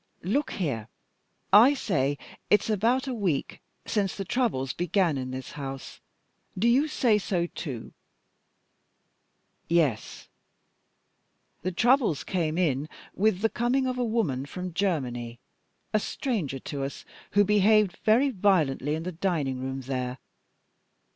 Look here! I say it's about a week since the troubles began in this house. Do you say so too?" "Yes." "The troubles came in with the coming of a woman from Germany, a stranger to us, who behaved very violently in the dining room there.